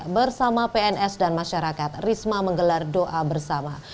bersama pns dan masyarakat risma menggelar doa bersama